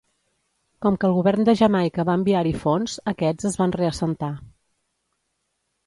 Com que el Govern de Jamaica va enviar-hi fons, aquests es van reassentar.